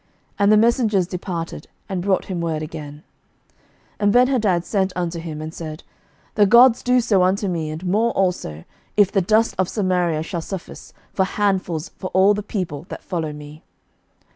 And the messengers departed, and brought him word again. 11:020:010 And Benhadad sent unto him, and said, The gods do so unto me, and more also, if the dust of Samaria shall suffice for handfuls for all the people that follow me.